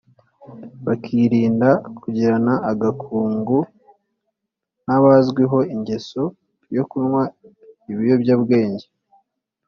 bakirinda kugirana agakungu n’abazwiho ingeso yo kunywa ibiyobya bwenge